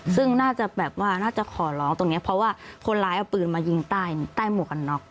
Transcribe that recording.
ซึ่งน่าจะแบบว่าน่าจะขอร้องตรงนี้เพราะว่าคนร้ายเอาปืนมายิงใต้หมวกกันน็อก